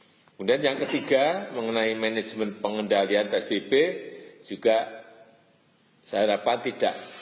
kemudian yang ketiga mengenai manajemen pengendalian psbb juga saya harapkan tidak